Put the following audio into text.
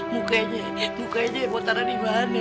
mukanya mukanya buat taro dimana